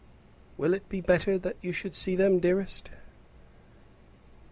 "Will it be better that you should see them, dearest?"